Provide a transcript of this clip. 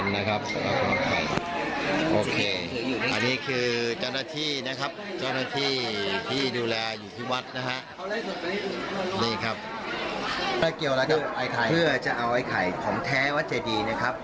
และนี่คือเจ้าหน้าที่